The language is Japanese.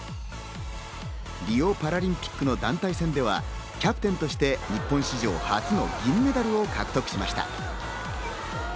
リオパラリンピックの団体戦ではキャプテンとして、日本史上初の銀メダルを獲得しました。